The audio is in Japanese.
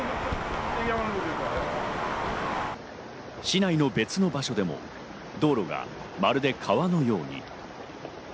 市内の別の場所でも、道路がまるで川のように。